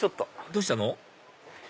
どうしたの？